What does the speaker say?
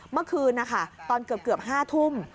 เมื่อคืนนะคะตอนเกือบ๕ทุ่ม